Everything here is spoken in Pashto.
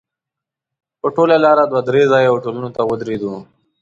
په ټوله لاره دوه درې ځایه هوټلونو ته ودرېدو.